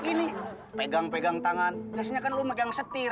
ini pegang pegang tangan biasanya kan lu megang setir